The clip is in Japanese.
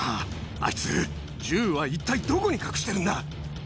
あいつ、銃は一体どこに隠してるんだ。